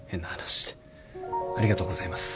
ありがとうございます。